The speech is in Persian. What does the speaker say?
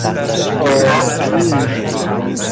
آسو